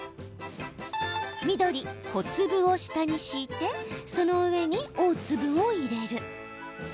緑小粒を下に敷いてその上に大粒を入れる。